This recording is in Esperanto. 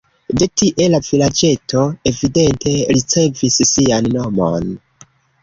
De tie la vilaĝeto evidente ricevis sian nomon.